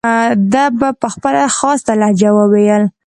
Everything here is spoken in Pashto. ده به په خپله خاصه لهجه وویل.